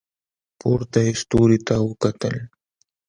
پورته یې ستوري ته وکتل.